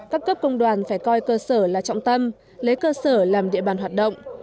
các cấp công đoàn phải coi cơ sở là trọng tâm lấy cơ sở làm địa bàn hoạt động